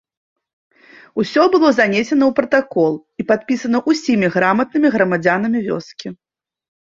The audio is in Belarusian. Усё было занесена ў пратакол і падпісана ўсімі граматнымі грамадзянамі вёскі.